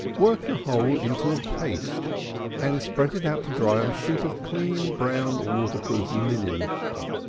Work the whole into a paste, and spread it out to dry on a sheet of clean brown waterproof linen.